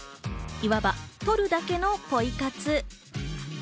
いわば撮るだけのポイ活。